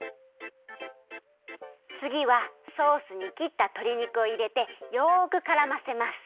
つぎはソースにきったとり肉をいれてよくからませます。